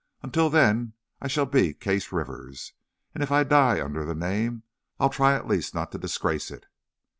Until then I shall be Case Rivers, and if I die under the name, I'll try, at least, not to disgrace it."